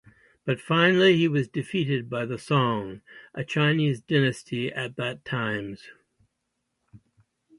But finally he was defeated by the Song, a Chinese dynasty at that times.